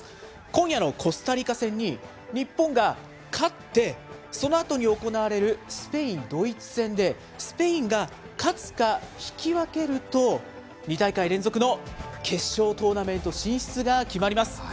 今夜のコスタリカ戦に日本が勝って、そのあとに行われるスペイン・ドイツ戦で、スペインが勝つか引き分けると、２大会連続の決勝トーナメント進出が決まります。